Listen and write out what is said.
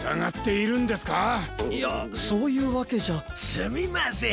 すみません。